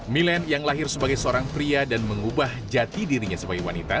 milen yang lahir sebagai seorang pria dan mengubah jati dirinya sebagai wanita